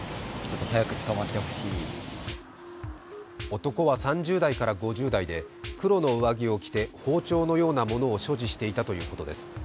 男は３０代から５０代で黒の上着を着て包丁のようなものを所持していたということです。